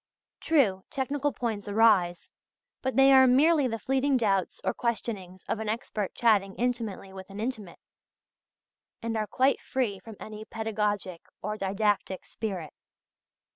True, technical points arise, but they are merely the fleeting doubts or questionings of an expert chatting intimately with an intimate, and are quite free from any pedagogic or didactic spirit.